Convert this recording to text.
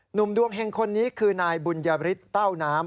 หนุ่มดวงเฮงคนนี้คือนายบุญยฤทธิเต้าน้ำ